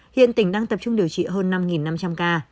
hiện tỉnh đang tập trung điều trị hơn năm năm trăm linh ca